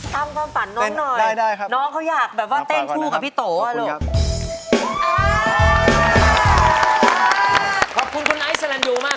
ความฝันน้องหน่อยน้องเขาอยากแบบว่าเต้นคู่กับพี่โตอ่ะลูก